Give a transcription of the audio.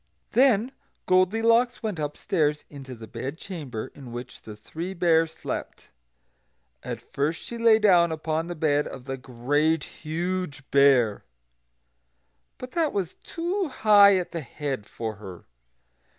Then Goldilocks went upstairs into the bed chamber in which the Three Bears slept. And first she lay down upon the bed of the Great Huge Bear; but that was too high at the head for her.